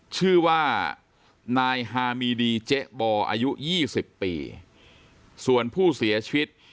ชื่อว่านายฮามีดีเจ๊บออายุยี่สิบปีส่วนผู้เสียชีวิต